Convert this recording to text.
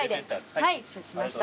はい承知しました。